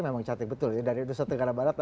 memang cantik betul dari indonesia tenggara barat